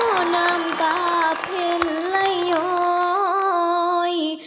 เหลือน้ำตาเพ่นไลยอย